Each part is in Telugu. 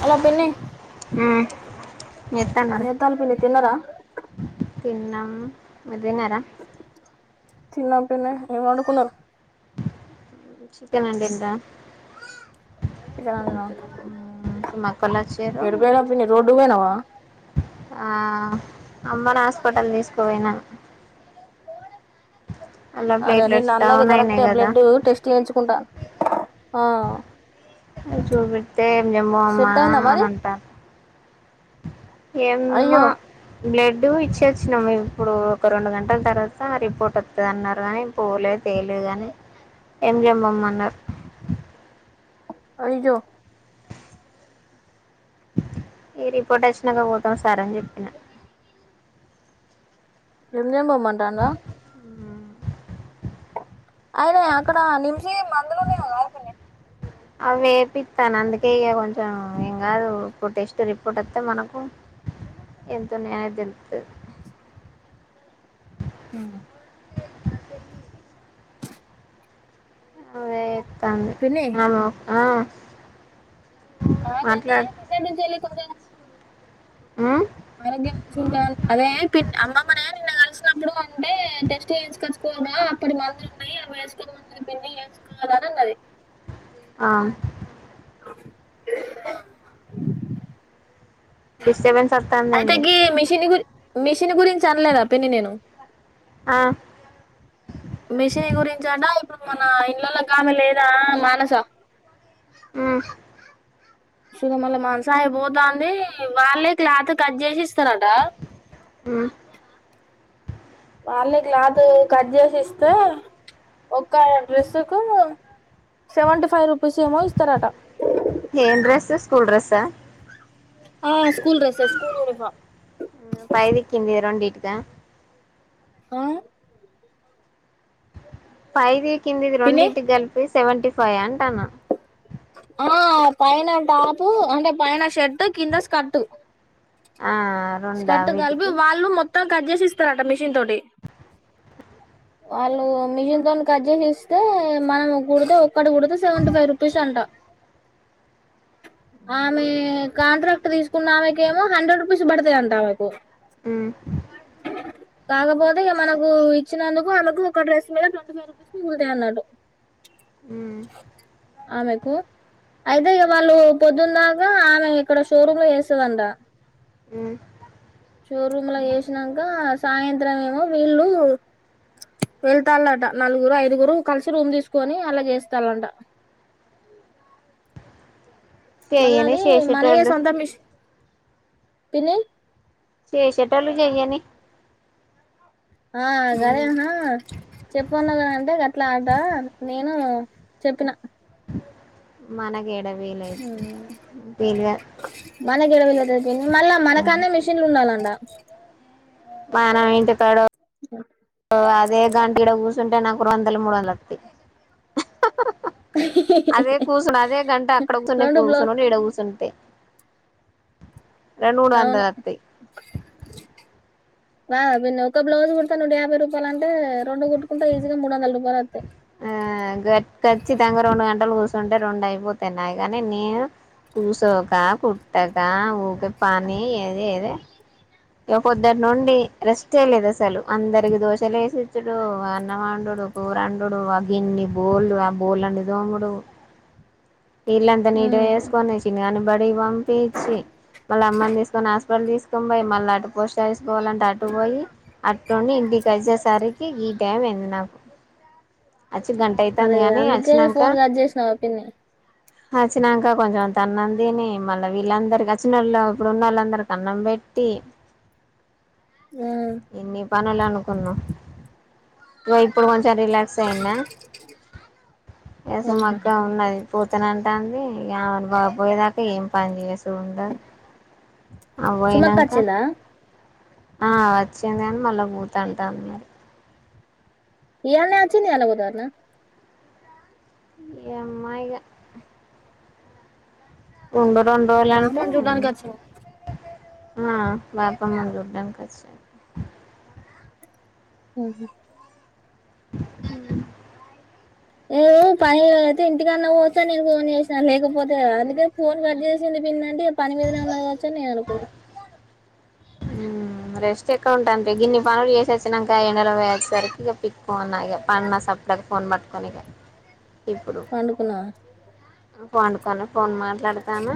హలో పిన్ని ఏం ఎత్తన్నారు చేతఆండ్రూ పిన్ని తిన్నారా తిన్నాం మీర్ తిన్నారా తినం పిన్ని ఏమ్ వండుకున్నారు చికెన్ వండిండ్రా చికెన్ వండినా సుమక్కలోచిన్డ్రు ఎటు పోయినవ్ పిన్ని రోడ్డుకు పోయినవా ఆ అమ్మను హాస్పిటల్ తీసుకుపోయినా అలా అరే ప్లేట్లెట్స్ నిన్ననది డౌన్ కరెక్ట్ అయినాయి కదా బ్లడ్ టెస్ట్ చేయించుకుంటాను ఆ అ చూపెడితే ఏంమ్మో అమ్మా సెట్ అయిందా అని మరి అంటారు ఏమో అయ్యో బ్లడ్ ఇడు ఇచ్చ వచ్చినము ఇప్పుడు ఒక రెండు గంటల తర్వాత రిపోర్ట్ వత్తది అన్నారు కానీ పోలే చేలే కాని ఏం చెమ్ పో మ న్నారు అయ్యో మీ రిపోర్ట్ వచ్చినాక పోతాం సార్ అని చెప్పిన నేన్ పొమ్మంటఅండ అయినే అక్కడ నిమ్మి మందులున్నాయి గానే అవే పిత్తా నందుకే ఇయగ యా ఏంకాదు ఓ టెస్ట్ రిపోర్ట్ వస్తే మనకు ఎంతో ఉన్నాయో తేలుల్తది హ అవ్వ త్తంది పిన్ని అనో ఆ ఆ నీనే మాట్లాడు నినటి నుంచెలి ఉమ్ ఆరోగ్యం మషంట అదే పే అమ్మమ్మనే నినా కలసి ఒకపుడు అంటే టెస్ట్ చేంచకచ్చుకోవడం అప్పుడు మందులు ఉన్నాయి అవి వేసుకోమందు పిన్ని వేసుకోవాల అని ఉన్నది అ [unintelligible] డిస్టర్బెన్స్ వస్తాందండి మెషినీ గురించి అనలేద పిన్ని నేను ఆ మిషిని గురించట ఇప్పుడు మన ఇళ్లల గమే లేదా మానస ఉమ్మ్ ఇగ మళ్ళీ మనసా అయిపోతుంది వాళ్ళే క్లోత్ కట్ జేసి స్తరంట ఉమ్ వల్లే క్లోత్ కట్ చేసి చేస్తే ఒక్క డ్రెస్సు కు సెవెంటీ ఫైవ్ రూపీస్ ఏమో ఇస్తారట ఏమ్ డ్రెస్సెస్ స్కూల్ డ్రెస్స ఆ స్ స్కూల్ డ్రెస్సెస్ స్కూల్ యూనిఫార్మ్ దా ఆ పైది కిందిది పిన్ని రెండింటికి కలిపి సెవెంటీ ఫైవ్ యా అంటాన్న ఆ పైన టాపు అంటే పైన షర్ట్ కింద స్కర్ట్ ఆ రెండా స్కార్ట్ కలిపి వీటికి వాల్లు మొ త్తం కట్ చేసిస్తారట మిషన్ తోటి వాళ్ళు మిషన్ తోటి కట్ చేసిస్తే మనం కుడితే ఒక్కటి కుడీతే సెవెంటీ ఫైవ్ రుపీస్ అంటా ఆమె కాంట్రాక్ట్ తీసుకున్న ఆమె ఏమో హండ్రెడ్ రూపీస్ పడతాయ్ అంట ఆమెకు హు కాకపోతే ఇగ మనకు ఇచ్చినందుకు ఆమెకు ఒక డ్రెస్ మీద ట్వంటీ ఫైవ్ రూపీస్ మిగులుతాయి అన్నాట్టు ఉమ్ ఆమెకు అయితే వాళ్ళు పొద్దునదాక ఆమె ఇక్కడ షోరూమ్ లో చేస్తదంటా హు షోరూం లో చేసినాక సాయంత్రం ఏమో వీళ్ళు వెళ్తాలట నలుగురు ఐదుగురు కలిసి రూమ్ తీసుకొని అల చేేస్తాలంట చెయ్యని మళ్ళది మనయే చేసేటోళ్ళు సొంత మిషిన్స్ పిన్ని చేశేటోళ్ళు చెయ్యని ఆ గదే ఆ చెప్పమన్న కదా అంటే గట్ల అంట నేను చెప్పిన మనకి ఏడ వీలైతు వీలుగా మన కేడ వీలైతది పిన్ని మళ్ళా మనకన్నే మిషన్లు ఉండాలంట [inaudible] మనం ఇంటికాడ అదే గంట ఈడ కూర్చుంటే అంటే నాకు రొండు వందలు మూడు వందలు వాతయ్ అదే కూర్చొని అదే గంట అక్కడ కూచున్న రెండు బ్లౌజ్ కూర్చొనిడి ఈడ కూర్చుంటే [inaudible] రొండు మూడు అవును వందలు వస్తాయ్ రావా పిన్ని ఒక బ్లజ్ కుడతే నూట యాభై రూపాయల అంటే రెండు కుట్టుకుంటె ఈజీగా మూడు వందల రూపాయలు వస్తాయి ఆ ఖచ్చితంగా రెండు గంటలు కూర్చుంటే రెండు అయిపోతాయి నాయ్ కాని నేను కూసోక కుట్టక ఊకే పని ఏది ఏద ఇక పొద్దాటినుండి రెస్ట్ ఏ లేదు అసలు అందరి దోశలు వేసిచ్చడు అన్నవాండుడు కూర వండుడు ఉండుడు గిన్ని బోల్ లు ఆ బొల్లు అన్ని దొముడు ఇల్లుఅంత నీట్ గా ఉమ్ చెసుకొని చిన్నరగాని బడికి పంపిచీ మళ్ళ అమ్మని తీసుకొని హాస్పిటల్ తీసుకొని పోయి మళ్ళీ అటు పోస్టఫిస్ పోవాలంటే అటు పోయి అట్నుండి ఇంటికి వచ్చేసరికి ఇగి ఈ టైమ్ అయింది నాకు వచ్చి గంట అయితుంది అరే కానీ అందుకే ఫోన్ కట్ చేసినావు పిన్ని అచ్చినాక కొంచెం ఆన్నం తిని మళ్ళా వీళ్ళందరికి వచ్చిన వాళ్ళు ఇప్పుడు ఉన్న వాళ్ళందరికి అన్నం పెట్టి ఉమ్ ఇన్ని ప అనుకున్నాం ఇగా ఇప్పుడు కొంచం సైనా ఎస్ఎం ఉహు అక్క ఉన్నది పోతనంట అంది ఇ ఆమెను బా పోయేదాకా ఏం పని చేసుఉండదు సుమక్క అబోయినాక వచ్చిందా ఆ వచ్చింది కాని మళ్ళా పోత అంటాడి మరి ఇయాల్నెనే అచింది ఇయాలే పోతాదటనా ఏమ్మ ఇగ ఉంగ రొండు రోజులు మా అంటే అమ్మను చూడ్డానికి వచ్చింది ఆ బాపమ్మనించుద్దనికి ఒచ్చింది హ [inaudible] ఏదో పై అయితే ఇంటికన్నా వస్తా నేను ఫోన్ చేసినా లేకపోతే అందుకే ఫోన్ కట్ చేసింది పిన్ని అని పని మీదనే ఉన్నా కావచ్చా అని నేను అనుకున్న ఉమ్ రెస్ట్ ఎక్కడ ఉంటాది రా గిన్ని పనులు చేసచ్చినంక ఎండల పోయ్యి అచ్చేసరికి ఇగ పీక్కు మన్న ఇగ పన్న సప్పడాగా ఫోన్ పట్టుకొని ఇగ పండుకున్నావ పండుకునే ఫోన్ మాట్లాడతానా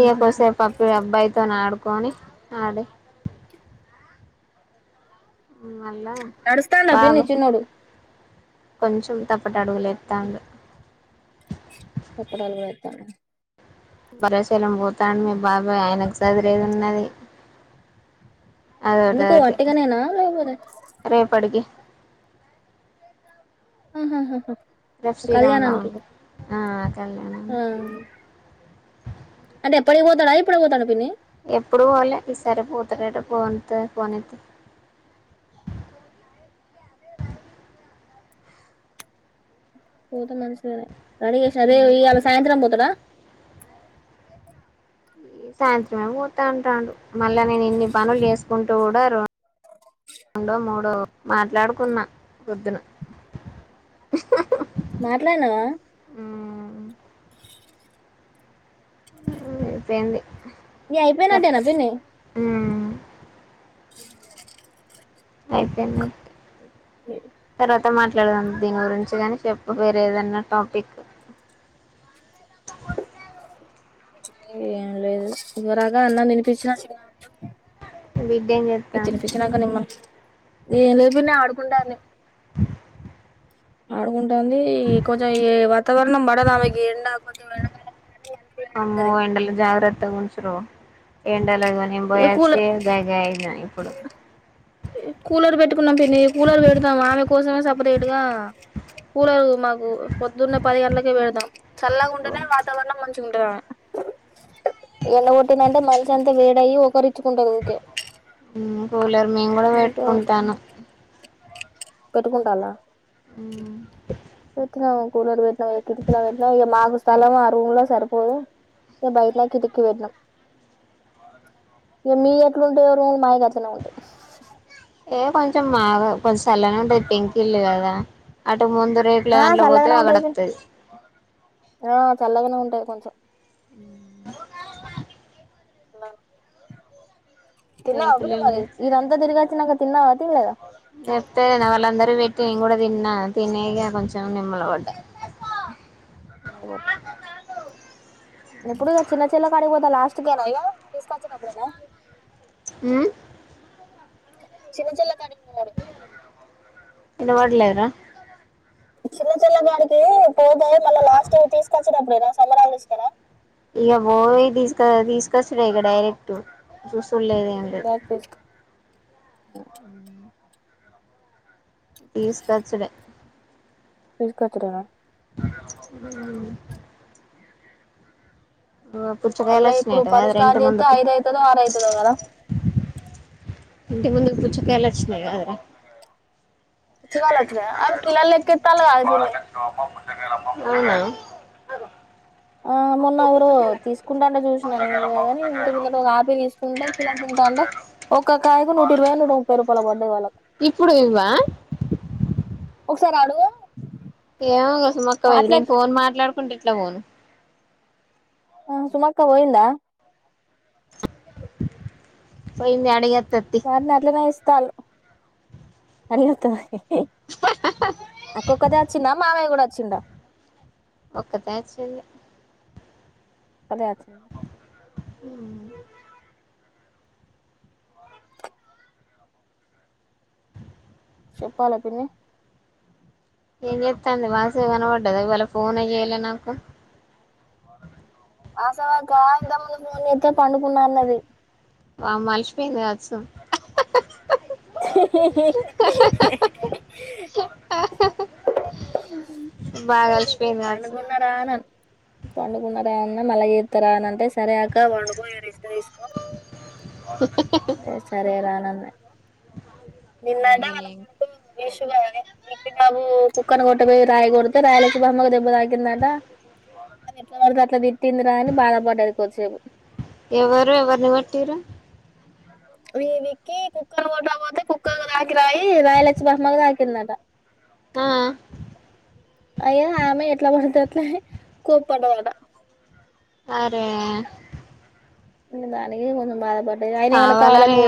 ఇగ కోసే పప్ప అబ్బాయితోన్ ఆడు కోని ఆడె నడుస్తండా బాబు పిన్ని చిన్నోడు కొంచెం తప్పట అడుగులేత్తాండు తప్పటాడుగులేతండా బరాషెలం పోతాండు మీ బాబాయ్ ఆయనకు సదిరేది ఉన్నది ఎందుకు అదోటదోటి వట్టిగనేనా లేపోతే రేపటికి ఆహాహహ రేప్ శ్రీ రామ నవమి ఆ ఆ. కళ్యాణని అంటే ఎప్పడికి పోతాడు ఇప్పుడె పోతాండ పిన్ని ఎప్పుడు పోలే ఈ సారే పోతడట పోన్ తే పోనెతి పోతే మంచిదేనాయే రడిజేష్ అదే ఇయళ సాయంత్రం పోతడా ఈ సాయంత్రమే పోతా అంటాడు మళ్ళా నేను ఇన్ని పనులు చేసుకుంటూ కూడా రొ రొండో మూడో మాట్లాడుకున్నా పొద్దున మాట్లాడినావా మ్ ఐపెంది ఇగ అయిపోయినట్టేన పిన్ని అ ఉ అయిపోయినట్టే ఓ అ మాట్లాడదాం దీని గురించి కని చెప్పు వేరేదన్న టాపిక్ ఏం లేదు ఇద్వరాగా అన్నం తినిపిచిన వి ఇగ తినిపిచ్చినంక నిమ్మ ఏంలేదు పిన్ని ఆడు కుండానే ఆడుగుం ంది కొంచెం ఏ వాతావరణం పడదు ఆమెకి ఎండా కొంది వెండగాలే అమ్మో ఎండల జాగరత్ త్తగుంచు రో ఎం డల నేన్ ఏ కూలర్ బోయచ్చే గాయి గాయి అయినా పుడు కూలరు పెట్టుకున్నాం పిన్నీ కూలరు పెడతాం ఆమె కోసమే సపరేట్ గా కూలరు మా కు పొద్దున్నే పది గంట్లకే పెడదతాం చల్లగా ఉంటేనే వాతావరణం మన్ ఎండ కొట్టిందంటే మనిషి అంతా వేడయ్యి ఒకరి ఊ కూలర్ మే గుడా పెట్టుకుంటాన్నం పెట్టుకుంటాల్లా ఊ పెట్టినం కూలర్ పెట్టినం కిటికీలో పెట్నాం ఇగ మాకు స్థలం ఆ రూము లో సరిపోదు, ఇగ బయట కిటిక్కి పెట్నం. ఇగ మీయి ఎట్లుంటయో మాయి గట్లనే ఉంటయి. ఏ కొంచెం మాగా కొంచెం చల్లనే ఉంటది పెంకిల్లు కదా అ ముందు రేకుల ఆ దాంట్ల పోతే చల్లగానే ఉంటది అగడత్తది ఆ చల్లగానే ఉంటది కొంచెం ఊ హలో తిన్వవ పిల్ల మరి ఇదంతా తిరిగొచ్చినంగ తిన్నావ నప్పే నా వాళ్ళందరూ పెట్టి నను గూడా తిన్న తినేగా కొంచెం నిమ్మలవడ్డ నిమ్మల [unintelligible] ఎప్పుడూ ఆ చిన్న చెల్లె కాడి పోతా లాస్ట్ గద ఇగో తీసుకొచ్చినప్పుడేనా ఉ చిన్న చెల్లె కాడిక్ పోవాలె ఇన వడ్లేరా చిన్న చెల్లె గాడికీ పోతే మళ్ళ లాస్ట్ తీసుకొచ్చినప్పుడేనా సమ్మర్ హాలిడేస్లల ఇగ బోయి తీసుక తీసుకొచ్చుడే ఇగ డైరెక్ట్ చూస్ పు లేదు ఏం లేదు అ తీసుకొచ్చుడే తీసుకొచ్చుడేనా ఊ పుచ్చకాయలు మళ్ళా ఇప్పుడు వచ్చినాయట పని కదరా ఇంటి స్టార్ట్ చేత్తే ముందుకు ఐదు అయితదో ఆరు అయితదో గదా ఇంటి ముందు పుచ్చకాయలు ఒచ్చినయ్ గదరా పుచ్చగాయలు ఒచ్చినయ అవి కిలోల లెక్క ఇత్తల్లు గా పిన్ని అవును ఆ మొన్న ఎవరో తీసుకుంటాంటే చూసిన నేను గాని ఇంటి ముందుట ఒక ఆపి తీసుకుంటే కిలో ఎంత అంటే ఒక్క కాయకు నూట ఇరువయో నూట ముప్పై రూపాయలో పడ్దాయి వాళ్ళకి ఇప్పుడు ఇవ్వా ఒకసారి ఆడుగు ఏమో గా కోస మక్కవయే నేను ఫోన్ మాట్లాడుకుంటే ఎట్ల పోను మనుసులక్క పోయిందా పోయింది అడిగా [unintelligible] చాలు అక్క ఒక్కతే వచ్చిందా మాధవి కూడా వచ్చిందా ఒక్కతే వచ్చింది అదేఅత్ హ్మ్ చెప్పాల పిన్ని ఏం చేత్తాంది మానస కనబడ్డదా ఇవాళ ఫోనే చేయలేదు నాకు వాసవాక్కా ఇంతకు ముందు ఫోన్ చేత్తే పండుకున్నా అన్నది పాపం అలిసిపోయింది కావచ్చు బాగా అలిసి పండుకున్నారా అని పండుకున్న రా అన్న మళ్ళ చేస్తారా అని అంటే సరే అక్క పండుకో రెస్ట్ తీసుకో రే సరే రా నన్ని నిన్నంట ఇగ వల్ల నేను కొడుకు వేస్ [unintelligible] బాబు కుక్కను కొట్టబోయి రాయి కొడితే రాయలచ్చి మామ్మ కు దెబ్బ తాకిందంట ఆమె ఎట్లా పడితే అట్లా తిట్టిందిరా అని బాధ పడ్డది కొద్దిసేపు. ఎవరు ఎవరిని కొట్టిరు మీ విక్కి కుక్కను కొట్ట పోతే కుక్కకు తాకి రాయి రాయలచ్చి మామ్మకి తాకిందంట. ఆ అయ్యో ఆమె ఎట్లా బడితే అట్లని కోప్పడ్డదట అరే దానికే కొంచెం బాధ్ కావాలని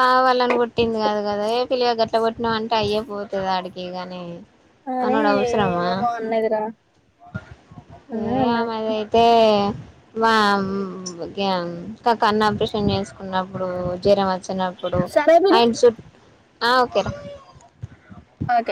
కావాలని కొట్టింది కాదు కదా, ఏ పిల్లగ గట్ల కొట్టినావ్ అంటే అయ్యే పోతుది ఆడికి గాని అని అనుడు అవుసరమా ఏమేమో అన్నదిరా అని ఏ అన్నది ఆమెది అయితే, మా [unintelligible] క కన్ను ఆపరేష్ [unintelligible] చేసుకున్నప్పుడు జరం వచ్చి నప్పుడు సరే పిన్ని ఆయన చుట్ ఆ ఓకే ఓకే